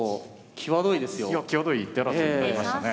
際どい一手争いになりましたね。